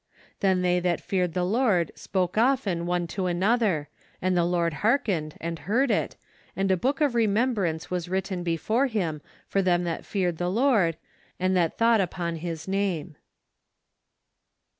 " Then they that feared the Lord spake often one to another: and the Lord hearkened, and heard it, and a book of remembrance was written before him for them that feared the Lord, and that thought upon his name."